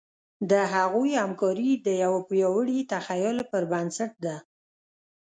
د هغوی همکاري د یوه پیاوړي تخیل پر بنسټ ده.